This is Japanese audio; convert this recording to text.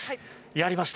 やりました！